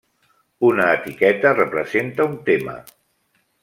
Una etiqueta representa un tema.